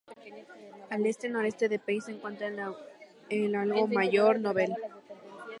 Al este-noreste de Pease se encuentra el algo mayor Nobel.